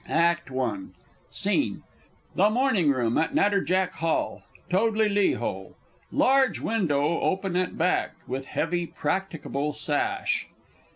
_ ACT I. SCENE _The Morning Room at Natterjack Hall, Toadley le Hole; large window open at back, with heavy practicable sash.